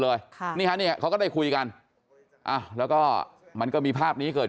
เลยนี่ค่ะนี่เขาก็ได้คุยกันแล้วก็มันก็มีภาพนี้เกิด